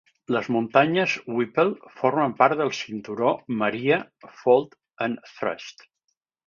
Les muntanyes Whipple formen part del cinturó Maria fold and thrust.